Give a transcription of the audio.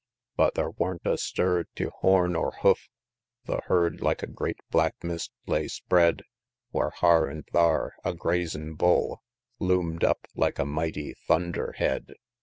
But thar warn't a stir tew horn or hoof; The herd, like a great black mist, lay spread, While har an' thar a grazin' bull Loom'd up, like a mighty "thunder head."